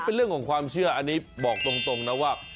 เป็นเรื่องของความเชื่ออันนี้บอกตรงนะว่า